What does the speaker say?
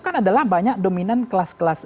kan adalah banyak dominan kelas kelas